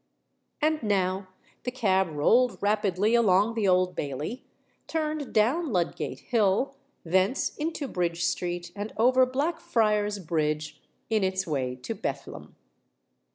And now the cab rolled rapidly along the Old Bailey, turned down Ludgate Hill, thence into Bridge Street, and over Blackfriars Bridge, in its way to Bethlem.